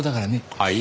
はい？